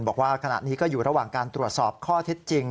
บอกว่าขณะนี้ก็อยู่ระหว่างการตรวจสอบข้อเท็จจริง